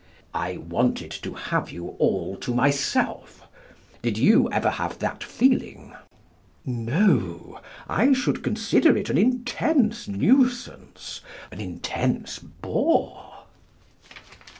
"I wanted to have you all to myself." Did you ever have that feeling? No, I should consider it an intense nuisance, an intense bore.